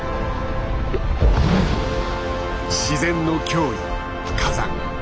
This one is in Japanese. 自然の脅威火山。